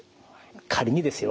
仮にですよ